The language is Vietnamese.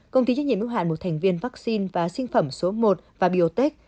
công ty chức nhiệm ưu hạn một thành viên vaccine và sinh phẩm số i và biotech